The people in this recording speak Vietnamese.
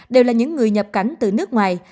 đều là những người nhập cảnh từ nước ngoài